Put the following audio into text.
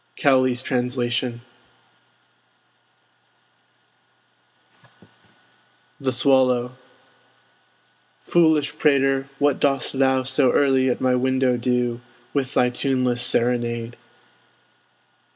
Cowley's Translation, THE SWALLOW Foolish prater, what dost thou So early at my window do, With thy tuneless serenade?